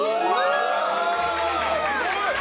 すごい！